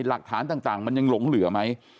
หลักฐานต่างมันยังหลงเหลือไหม